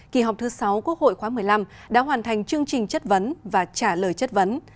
kỳ họp thứ sáu quốc hội khóa một mươi năm đã hoàn thành chương trình chất vấn và trả lời chất vấn